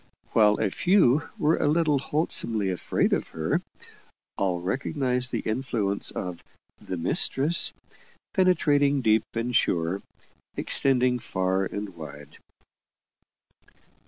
While a few were a little wholesomely afraid of her all recognized the influence of "the mistress," penetrating deep and sure, extending far and wide.